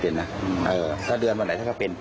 ที่นี่แบ